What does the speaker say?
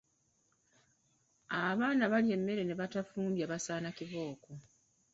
Abaana abalya emmere ne batafumbya basaana kibooko.